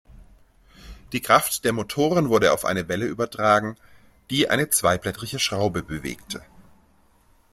Die Kraft der Motoren wurde auf eine Welle übertragen, die eine zweiblättrige Schraube bewegte.